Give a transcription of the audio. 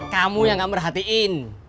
kamu yang gak perhatiin